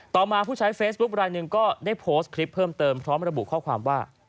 ต่อมาผู้ใช้เฟซบุ๊คลายหนึ่งก็ได้โพสต์คลิปเพิ่มเติมพร้อมระบุข้อความว่า